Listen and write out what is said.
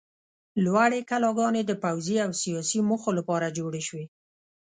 لوړې کلاګانې د پوځي او سیاسي موخو لپاره جوړې شوې.